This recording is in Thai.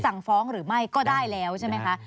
สั่งฟ้องหรือไม่ก็ได้แล้วใช่ไหมคะ